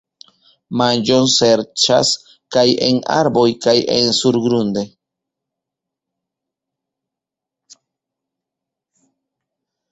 Manĝon serĉas kaj en arboj kaj surgrunde.